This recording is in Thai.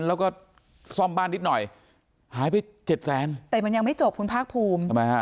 แล้วก็ซ่อมบ้านนิดหน่อยหายไปเจ็ดแสนแต่มันยังไม่จบคุณภาคภูมิทำไมฮะ